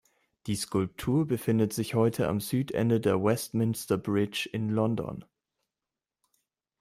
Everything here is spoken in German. Die Skulptur befindet sich heute am Südende der "Westminster Bridge" in London.